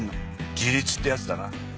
自立ってやつだな